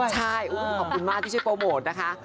ใช่ขอบคุณมากที่ช่วยโปรโมทนะคะ